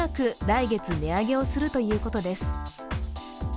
来月、値上げをするということです。